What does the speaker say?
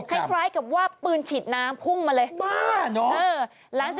ให้โลกจำ